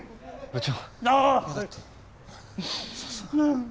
部長？